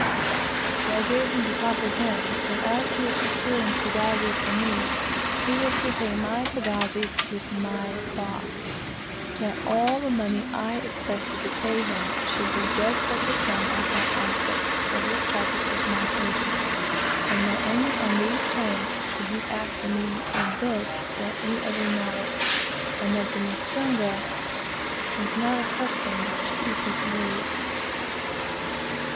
But I gave him to comprehend that as he was procuring pagazis for me, he was to pay my pagazis with my cloths; that all the money I expected to pay him, should be just such a sum I thought adequate for his trouble as my agent, and that only on those terms should he act for me in this or any other matter, and that the "Musungu" was not accustomed to eat his words.